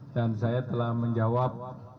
dan saya telah menjawab empat puluh